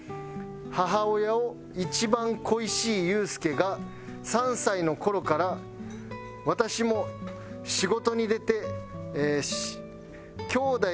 「母親を一番恋しい裕介が３歳の頃から私も仕事に出てえー姉弟